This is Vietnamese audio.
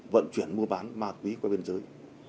vận chuyển mua bán ma túy qua biên giới